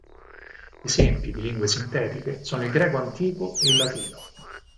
Esempi di lingue sintetiche sono il greco antico e il latino.